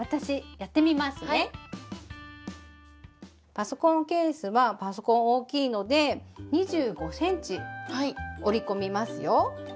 パソコンケースはパソコン大きいので２５ｃｍ折り込みますよ。